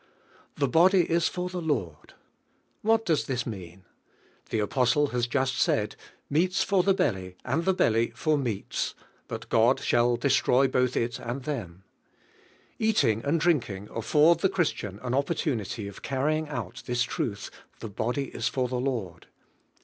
"The body is for the lord." What does this mean? The apostle lias just said, "Meats for the belly, and the beily for meats; but God shall destroy both it and 5S DIVIDE HEALINO. them." Eating and drinking afford the Christian an opportunity of carrying out this I rath, "The body is for the Lord."